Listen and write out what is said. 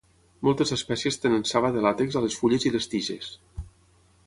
Moltes espècies tenen saba de làtex a les fulles i les tiges.